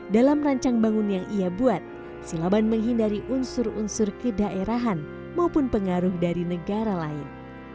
dalam rancang bangun yang ia buat silaban menghindari unsur unsur kedaerahan maupun pengaruh dari negara lain